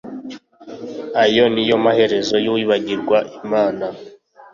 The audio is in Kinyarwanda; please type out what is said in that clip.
ayo ni yo maherezo y'uwibagirwa imana